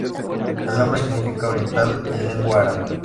El nombre significa "Oriental" en lengua árabe.